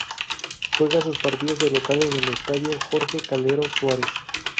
Juega sus partidos de local en el Estadio Jorge "Calero" Suárez.